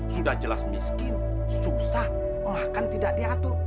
sudah jelas miskin susah bahkan tidak diatur